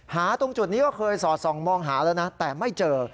ตรงจุดนี้ก็เคยสอดส่องมองหาแล้วนะแต่ไม่เจอ